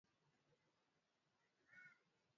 wengi wao wanatoka sehemu mbalimbali za nchi ya tanzania